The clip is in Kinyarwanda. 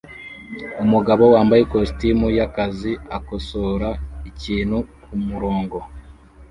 Umugabo wambaye ikositimu yakazi akosora ikintu kumurongo